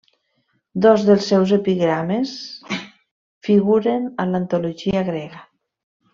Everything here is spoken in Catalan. Dos dels seus epigrames figuren a l'antologia grega.